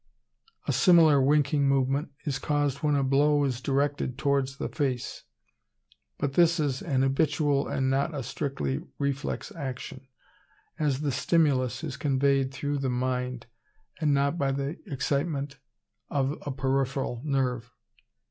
A similar winking movement is caused when a blow is directed towards the face; but this is an habitual and not a strictly reflex action, as the stimulus is conveyed through the mind and not by the excitement of a peripheral nerve.